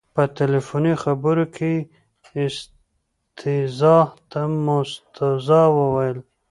په تلیفوني خبرو کې یې استیضاح ته مستوزا وویل.